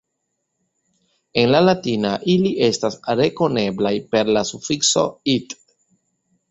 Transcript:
En la latina ili estas rekoneblaj per la sufikso "-it".